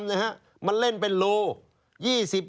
จับมาได้๒๐โลพวกนี้มันไม่ใช่เป็นกรรมนะครับ